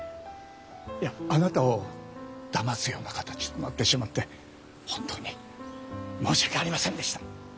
いやあなたをだますような形となってしまって本当に申し訳ありませんでした。